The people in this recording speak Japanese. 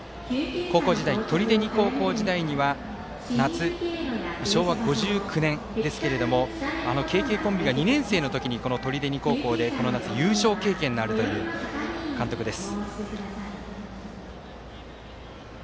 高校時代、取手二高時代には夏、昭和５９年ですけれどもＫＫコンビが２年生の時ですが取手二高時代に優勝経験のあるという監督です。